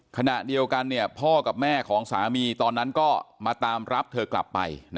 ขณะเดียวกันพ่อกับแม่ของสามีตอนนั้นก็มาตามรับเธอกลับไป